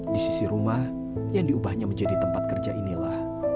di sisi rumah yang diubahnya menjadi tempat kerja inilah